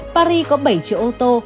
paris có bảy triệu ô tô